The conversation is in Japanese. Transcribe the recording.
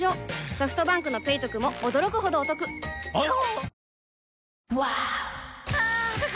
ソフトバンクの「ペイトク」も驚くほどおトクわぁ！